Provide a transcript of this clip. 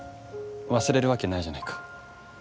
忘れるわけないじゃないか。